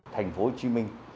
thành phố hồ chí minh